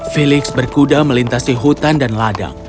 felix berkuda melintasi hutan dan ladang